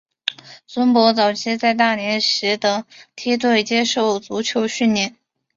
孙铂早期在大连实德梯队接受足球训练。